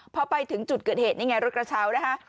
พอไปถึงจุดเกิดเหตุนี่ไงรถกระเช้านะคะ